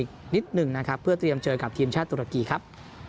อีกนิดหนึ่งนะครับเพื่อเตรียมเจอกับทีมชาติตุรกีครับ